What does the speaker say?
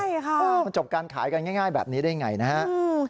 ใช่ค่ะมันจบการขายกันง่ายแบบนี้ได้ไงนะฮะ